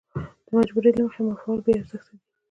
د مجبورۍ له مخې معافول بې ارزښته دي.